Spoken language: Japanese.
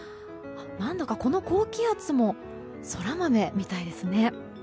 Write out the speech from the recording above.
何だか、この高気圧もソラマメみたいですね。